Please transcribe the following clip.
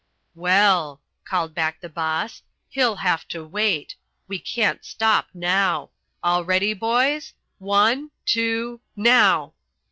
"Well," called back the boss, "he'll have to wait. We can't stop now. All ready, boys? One two now!"